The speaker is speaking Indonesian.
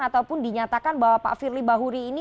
ataupun dinyatakan bahwa pak firly bahuri ini